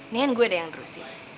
nih kan gue yang terusin